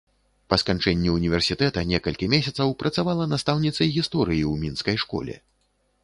Па сканчэнні ўніверсітэта, некалькі месяцаў працавала настаўніцай гісторыі ў мінскай школе.